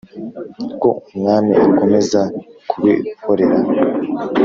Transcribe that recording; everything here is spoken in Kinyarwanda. ko umwami akomeza kubihorera